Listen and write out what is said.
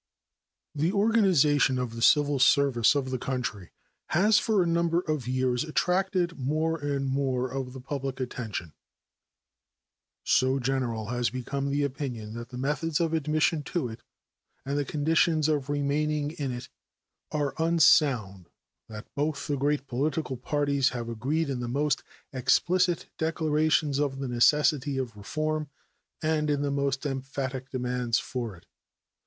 The organization of the civil service of the country has for a number of years attracted more and more of the public attention. So general has become the opinion that the methods of admission to it and the conditions of remaining in it are unsound that both the great political parties have agreed in the most explicit declarations of the necessity of reform and in the most emphatic demands for it.